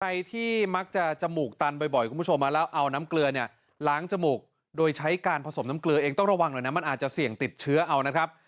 ใครที่มักจะจมูกตันบ่อยคุณผู้ชมแล้วเอาน้ำเกลือเนี่ยล้างจมูกโดยใช้การผสมน้ำเกลือเองต้องระวังหน่อยนะมันอาจจะเสี่ยงติดเชื้อเอานะครับ